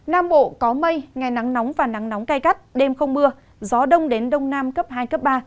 nam bộ có mây ngày nắng nóng và nắng nóng gai gắt đêm không mưa gió đông đến đông nam cấp hai cấp ba